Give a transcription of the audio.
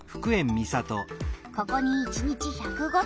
ここに１日１０５トン。